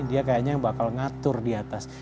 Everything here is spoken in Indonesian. dia kayaknya bakal ngatur di atas